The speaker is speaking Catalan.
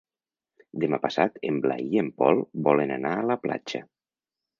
Demà passat en Blai i en Pol volen anar a la platja.